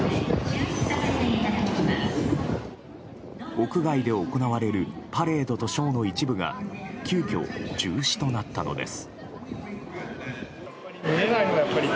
屋外で行われるパレードとショーの一部が急きょ、中止となったのです。